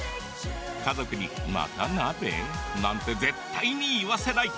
家族に「また鍋？」なんて絶対に言わせない！